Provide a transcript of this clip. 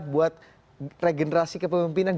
buat regenerasi kepemimpinan